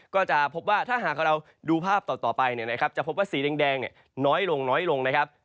ก็จะพบว่าถ้าหากเราดูภาพต่อไปจะพบว่าสีแดงน้อยลงลงนะครับ